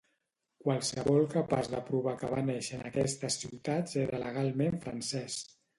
Qualsevol capaç de provar que va néixer en aquestes ciutats era legalment francès.